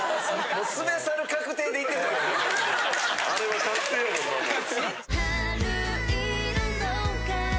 あれは確定やもんなもう。